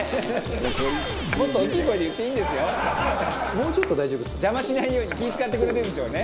「もうちょっと大丈夫ですね」「邪魔しないように気ぃ使ってくれてるんですよね。